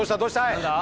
何だ？